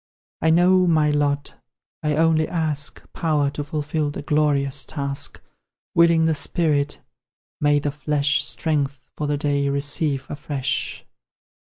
I know my lot I only ask Power to fulfil the glorious task; Willing the spirit, may the flesh Strength for the day receive afresh.